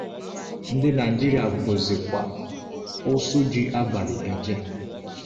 Ndị Nigeria bụzịkwa ụsụ ji abalị eje